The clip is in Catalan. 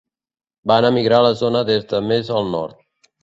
Van emigrar a la zona des de més al nord.